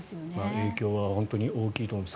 影響は本当に大きいと思います。